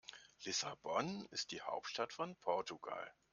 Lissabon ist die Hauptstadt von Portugal.